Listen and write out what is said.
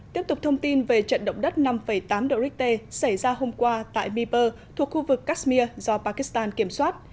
tiếp tục thông tin về trận động đất năm tám độ richter xảy ra hôm qua tại miper thuộc khu vực kashmir do pakistan kiểm soát